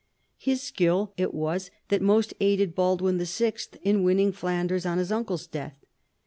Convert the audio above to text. His skill it was that most aided Baldwin VI. in winning Flanders on his uncle's death.